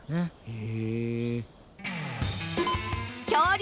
へえ。